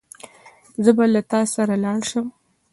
زه به له تا سره لاړ شم.